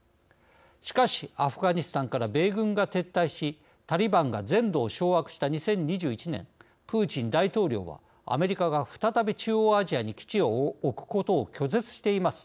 しかしアフガニスタンから米軍が撤退しタリバンが全土を掌握した２０２１年、プーチン大統領はアメリカが再び中央アジアに基地を置くことを拒絶しています。